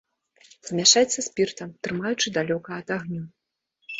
Змяшаць са спіртам, трымаючы далёка ад агню.